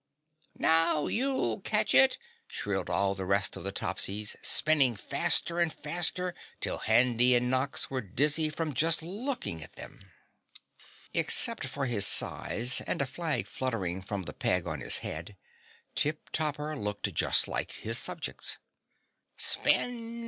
"Now you'll catch it!" shrilled all the rest of the Topsies, spinning faster and faster till Handy and Nox were dizzy just from looking at them. Except for his size and a flag fluttering from the peg on his head, Tip Topper looked just like his subjects. "Spin!